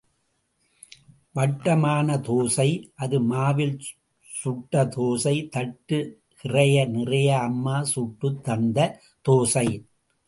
வட்ட மான தோசை—அது மாவில் சுட்ட தோசை தட்டு கிறைய நிறைய—அம்மா சுட்டுத் தந்த தோசை.